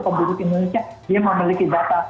penduduk indonesia dia memiliki data